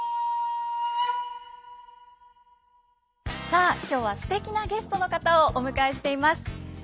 さあ今日はすてきなゲストの方をお迎えしています。